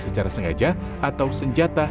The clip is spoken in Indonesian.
secara sengaja atau senjata